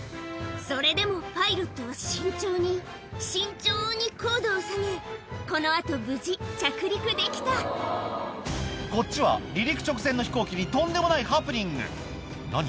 それでもパイロットは慎重に慎重に高度を下げこの後無事着陸できたこっちは離陸直前の飛行機にとんでもないハプニング何？